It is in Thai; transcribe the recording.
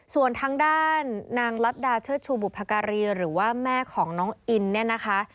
ส่วนทางด้านนางลัดดาเชิดชูบุพการีหรือว่าแม่ของน้องอินเนี่ยนะคะ